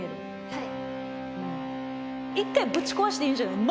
はい。